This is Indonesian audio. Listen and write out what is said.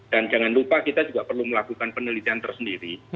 dan jangan lupa kita juga perlu melakukan penelitian tersendiri